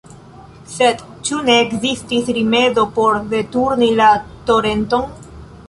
Sed ĉu ne ekzistis rimedo por deturni la torenton?